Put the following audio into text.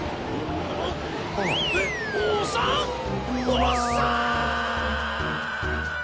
おっさん！！